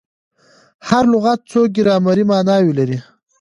هر لغت څو ګرامري ماناوي لري.